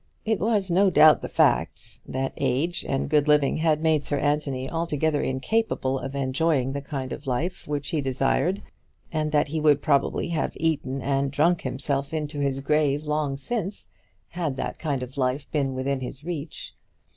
It was, no doubt, the fact that age and good living had made Sir Anthony altogether incapable of enjoying the kind of life which he desiderated, and that he would probably have eaten and drunk himself into his grave long since had that kind of life been within his reach.